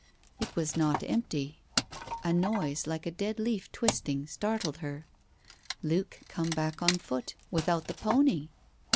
It was not empty. A noise like a dead leaf twisting startled her. Luke come back on foot, without the pony